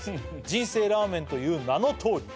「人生ラーメンという名のとおり」